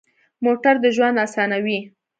موټر د ژوند اسانوي.